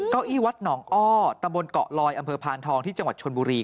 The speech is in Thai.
อี้วัดหนองอ้อตำบลเกาะลอยอำเภอพานทองที่จังหวัดชนบุรี